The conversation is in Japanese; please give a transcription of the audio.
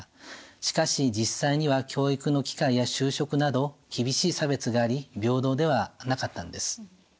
しかし実際には教育の機会や就職など厳しい差別があり平等ではなかったんです。